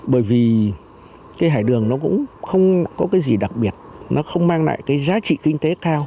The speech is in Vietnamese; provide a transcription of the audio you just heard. bởi vì cái hải đường nó cũng không có cái gì đặc biệt nó không mang lại cái giá trị kinh tế cao